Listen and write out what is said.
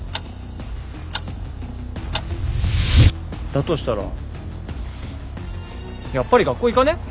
だとしたらやっぱり学校行かね？